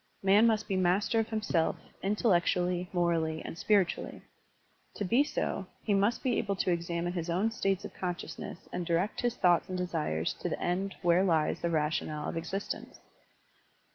Man must be master of himself, intellectually, morally, and spiritually. To be so, he must be able to examine his own states of consciousness and direct his thoughts and desires to the end where lies the rationale of existence.